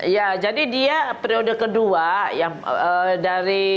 ya jadi dia periode kedua